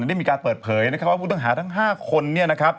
ได้มีการเปิดเผยว่าผู้ต้องหาทั้ง๕คน